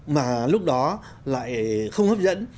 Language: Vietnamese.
mà lúc đó lại không hấp dẫn